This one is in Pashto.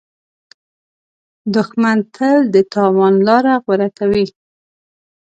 دښمن تل د تاوان لاره غوره کوي